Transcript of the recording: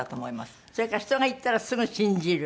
それから人が言ったらすぐ信じる。